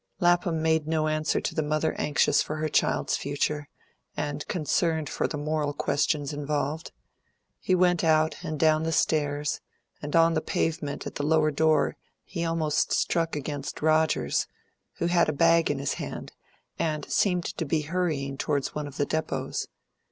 Lapham made no answer to the mother anxious for her child's future, and concerned for the moral questions involved. He went out and down the stairs, and on the pavement at the lower door he almost struck against Rogers, who had a bag in his hand, and seemed to be hurrying towards one of the depots.